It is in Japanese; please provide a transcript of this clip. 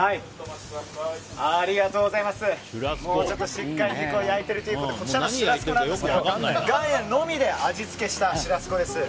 しっかり肉を焼いているということでこちらのシュラスコなんですけど岩塩のみで味付けしたシュラスコです。